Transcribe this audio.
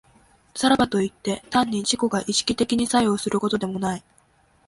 さらばといって、単に自己が意識的に作用することでもない。